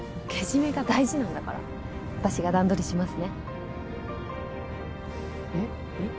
けじめが大事なんだから私が段取りしますねえっ